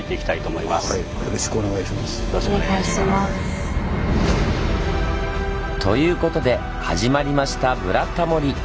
お願いします。ということで始まりました「ブラタモリ」！